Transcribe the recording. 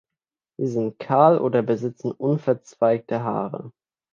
Sie sind kahl oder besitzen unverzweigte Haare.